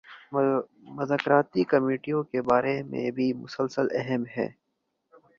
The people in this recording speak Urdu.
مذاکرتی کمیٹیوں کے بارے میں بھی مسلسل ابہام ہے۔